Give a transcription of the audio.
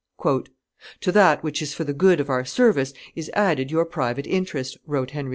"To that which is for the good of our service is added your private interest," wrote Henry IV.